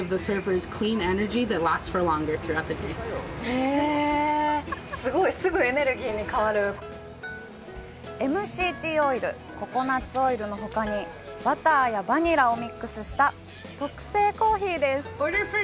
へぇすごいすぐエネルギーに変わるＭＣＴオイル・ココナツオイルのほかにバターやバニラをミックスした特製コーヒーです